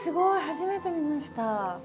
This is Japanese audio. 初めて見ました。